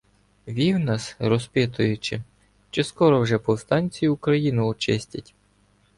Вів нас, розпитуючи, чи скоро вже повстанці Україну очистять.